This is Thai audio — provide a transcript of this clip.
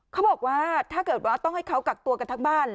เขาบอกว่าถ้าเกิดว่าต้องให้เขากักตัวกันทั้งบ้าน